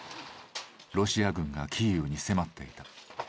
ロシア軍がキーウに迫っていた。